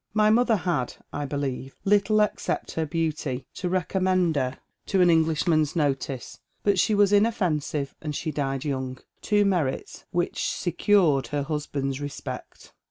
My mother had, I believa Uttle except her beauty to recommend her to fto Englijihniau'a 580 Dead MerHs Shoes. notice ; but she was inoffensive, and she died young, — ^two merits which secured her husband's respect.